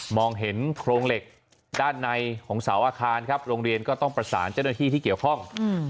เห็นโครงเหล็กด้านในของเสาอาคารครับโรงเรียนก็ต้องประสานเจ้าหน้าที่ที่เกี่ยวข้อง